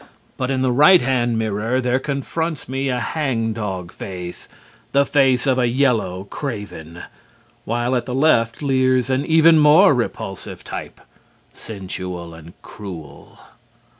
But in the right hand mirror there confronts me a hang dog face, the face of a yellow craven, while at the left leers an even more repulsive type, sensual and cruel.